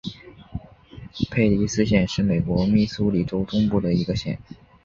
佩蒂斯县是美国密苏里州中部的一个县。